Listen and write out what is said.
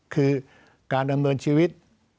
คือการดำเนินชีวิต